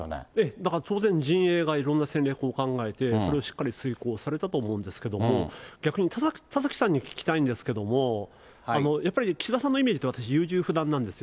だから当然、陣営がいろんな戦略を考えて、それをしっかり遂行されたと思うんですけれども、逆に田崎さんに聞きたいんですけれども、やっぱりね、岸田さんのイメージって私、優柔不断なんですよ。